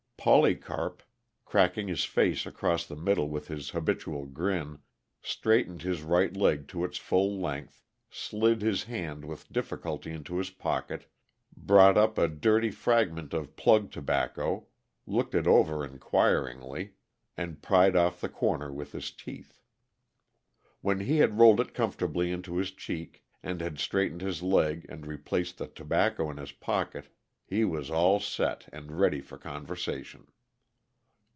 Polycarp, cracking his face across the middle with his habitual grin, straightened his right leg to its full length, slid his hand with difficulty into his pocket, brought up a dirty fragment of "plug" tobacco, looked it over inquiringly, and pried off the corner with his teeth. When he had rolled it comfortably into his cheek and had straightened his leg and replaced the tobacco in his pocket, he was "all set" and ready for conversation.